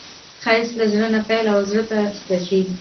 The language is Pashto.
ښایست له زړه نه پیل او زړه ته پای ته رسېږي